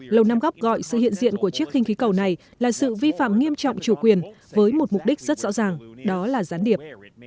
lầu năm góc gọi sự hiện diện của chiếc khinh khí cầu này là sự vi phạm nghiêm trọng chủ quyền với một mục đích rất rõ ràng đó là gián điệp